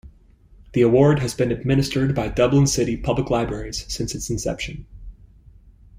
The award has been administered by Dublin City Public Libraries since its inception.